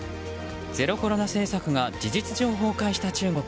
ゼロコロナ政策が事実上、崩壊した中国。